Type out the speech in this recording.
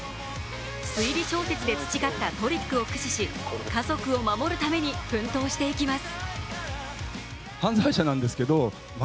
推理小説で培ったトリックを駆使し家族を守るために奮闘していきます。